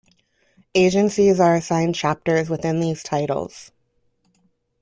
Agencies are assigned chapters within these titles.